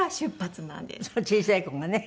小さい子がね。